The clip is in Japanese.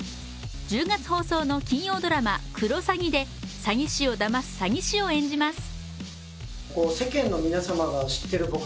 １０月放送の金曜ドラマ「クロサギ」で詐欺師をだます詐欺師を演じます。